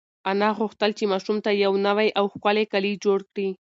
انا غوښتل چې ماشوم ته یو نوی او ښکلی کالي جوړ کړي.